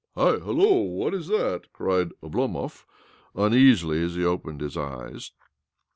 , "Hi! Hullo! Who is that ?" cried Obl( mov uneasily as he opened his eyes.